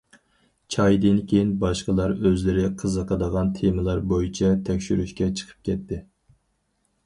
چايدىن كېيىن باشقىلار ئۆزلىرى قىزىقىدىغان تېمىلار بويىچە تەكشۈرۈشكە چىقىپ كەتتى.